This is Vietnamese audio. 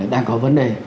đang có vấn đề